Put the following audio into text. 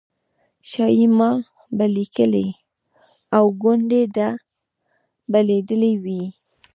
شایي ما به لیکلي وي او ګوندې ده به لیدلي وي.